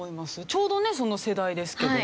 ちょうどねその世代ですけど。